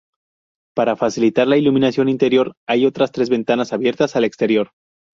Para facilitar la iluminación interior hay otras tres ventanas abiertas al exterior.